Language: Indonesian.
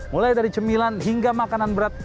mulai dari cemilan hingga makanan berat